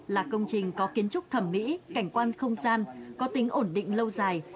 là công trình có kiến trúc thẩm mỹ cảnh quan không gian có tính ổn định lâu dài